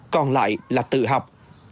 còn lại là tự học